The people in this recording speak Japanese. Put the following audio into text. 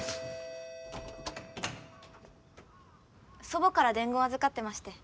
祖母から伝言預かってまして。